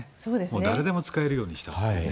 誰でも使えるようにしたと。